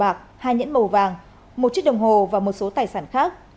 hai nhẫn màu bạc hai nhẫn màu vàng một chiếc đồng hồ và một số tài sản khác